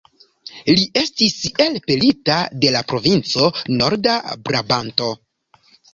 Li estis elpelita de la provinco Norda-Brabanto.